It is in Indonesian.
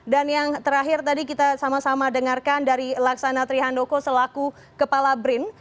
dan yang terakhir tadi kita sama sama dengarkan dari laksana trihandoko selaku kepala brin